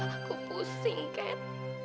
aku pusing ken